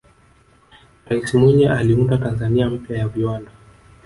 raisi mwinyi aliunda tanzania mpya ya viwanda